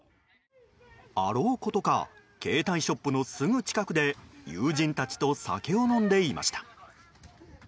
あろうことか携帯ショップのすぐ近くで友人たちと酒を飲んでいました。